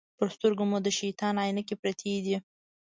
پر سترګو مو د شیطان عینکې پرتې دي.